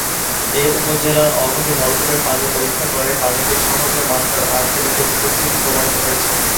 এ উপজেলার অগভীর নলকূপের পানি পরীক্ষা করে পানিতে সহনীয় মাত্রার আর্সেনিকের উপস্থিতি প্রমাণিত হয়েছে।